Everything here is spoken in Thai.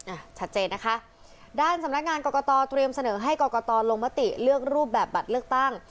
อ่ะชัดเจนนะคะด้านสำนักงานกรกตเตรียมเสนอให้กรกตลงมติเลือกรูปแบบบัตรเลือกตั้ง